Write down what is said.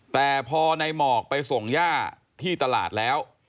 แต่พอในหมอกไปส่งย่าที่ตลาดแล้ว